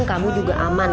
kamu juga aman